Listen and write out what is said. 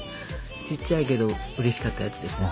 ちっちゃいけどうれしかったやつですね。